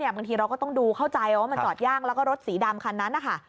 บางทีเราก็ต้องดูเข้าใจว่ามันจอดยากแล้วก็รถสีดำคันนั้นนะคะ